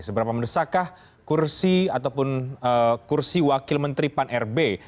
seberapa mendesakah kursi ataupun kursi wakil menteri pan rb